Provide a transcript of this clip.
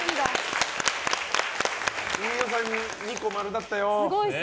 飯尾さん、２個丸だったよ。